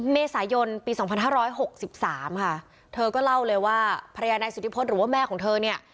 ในสายยนต์ปีสองพันห้อร้อยหกสิบสามค่ะเธอก็เล่าเลยว่าภรรยาในสุธิพลหรือว่าแม่ของเธอเนี่ย